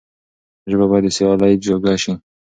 ژبه بايد د سيالۍ جوګه شي.